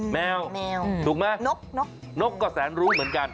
มะแมว